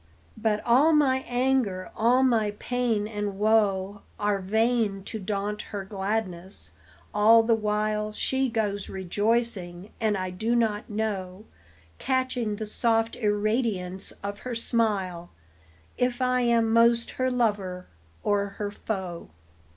But all my anger, all my pain and woe, Are vain to daunt her gladness; all the while She goes rejoicing, and I do not know, Catching the soft irradiance of her smile, If I am most her lover or her foe.